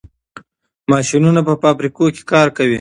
ماشینونه په فابریکو کې کار کوي.